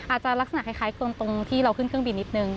อาจจะลักษณะคล้ายคนตรงที่เราขึ้นเครื่องบินนิดนึง